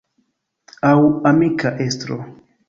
Aŭ amika estro.